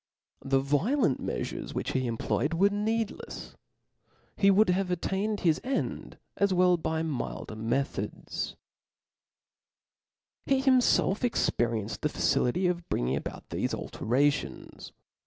The violent meafures which THE SPIRIT Book which hc employed were needlefs j he would have Clwp.^1'4, attained his end as well by milder methods. He himfelf experienced the facility of bringing about thefe alterations.